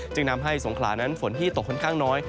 จึงทำให้สงขลานั้นฝนที่ตกค่อนข้างน้อย